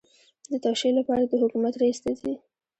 د توشیح لپاره د حکومت رئیس ته ځي.